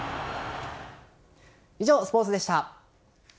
以上、スポーツでした。